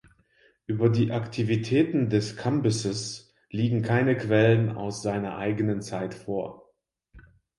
Über die Aktivitäten des Kambyses liegen keine Quellen aus seiner eigenen Zeit vor.